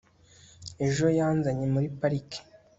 ejo yanzanye muri parike